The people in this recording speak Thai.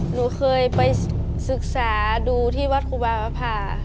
หนูเคยไปศึกษาดูที่วัดครูบาวภา